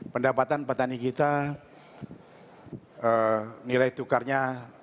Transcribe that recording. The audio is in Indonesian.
pendapatan petani kita nilai tukarnya sepuluh delapan